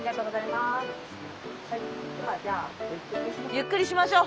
ゆっくりしましょう。